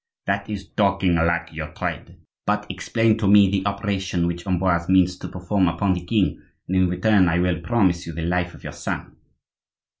"That is talking like your trade," said the Italian; "but explain to me the operation which Ambroise means to perform upon the king, and in return I will promise you the life of your son."